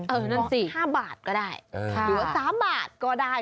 นั่นสิ๕บาทก็ได้หรือว่า๓บาทก็ได้